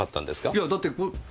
いやだってこれ。